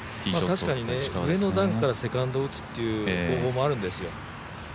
確かに上の段からセカンド打つっていう方法もあるんですよ。